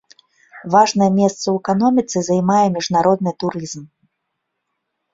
Важнае месца ў эканоміцы займае міжнародны турызм.